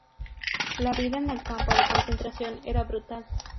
La vida en el campo de concentración era brutal.